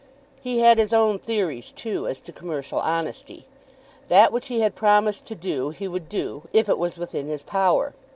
He had his own theories, too, as to commercial honesty. That which he had promised to do he would do, if it was within his power.